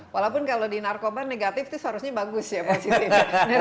walaupun kalau di narkoba negatif itu seharusnya bagus ya positif